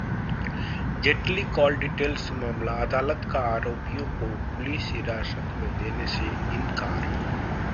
Jaitley call details मामला: अदालत का आरोपियों को पुलिस हिरासत में देने से इंकार